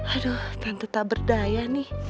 aduh tante tak berdaya nih